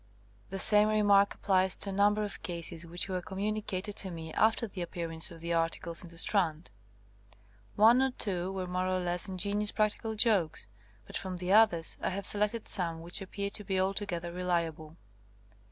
The same remark ap plies to a number of cases which w^ere com municated to me after the appearance of the articles in the Strand. One or two were more or less ingenious practical jokes, but from the others I have selected some which appear to be altogether reliable.